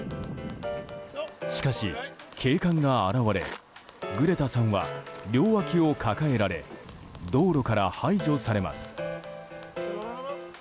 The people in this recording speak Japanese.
しかし、警官が現れグレタさんは両わきを抱えられ道路から排除されます。